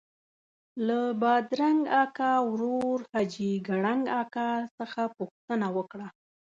له بادرنګ اکا ورور حاجي کړنګ اکا څخه پوښتنه وکړه.